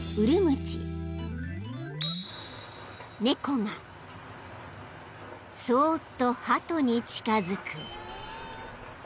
［猫がそーっとハトに近づく］